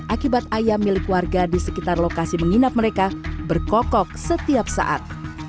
akibat ayam milik warga di sekitar lokasi menginap mereka berkokok setiap saat